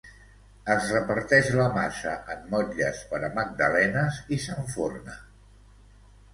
Es reparteix la massa en motlles per a magdalenes i s'enforna.